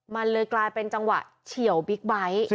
มันเลยกลายเป็นจังหวะเฉียวบิ๊กไบท์